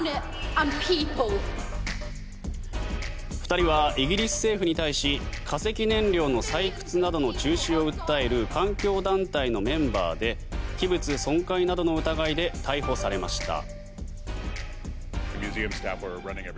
２人はイギリス政府に対し化石燃料の採掘などの中止を訴える環境団体のメンバーで器物損壊などの疑いで逮捕されました。